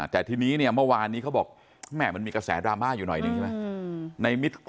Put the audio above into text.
แต่ทีนี้เนี่ยเมื่อวานนี้เขาบอกแม่มันมีกระแสดราม่าอยู่หน่อยหนึ่งใช่ไหม